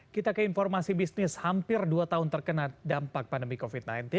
kita ke informasi bisnis hampir dua tahun terkena dampak pandemi covid sembilan belas